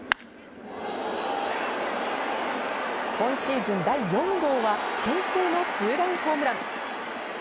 今シーズン第４号は先制のツーランホームラン。